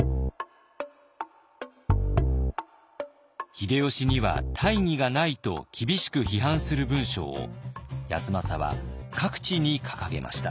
秀吉には大義がないと厳しく批判する文章を康政は各地に掲げました。